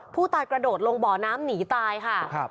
กระโดดลงบ่อน้ำหนีตายค่ะ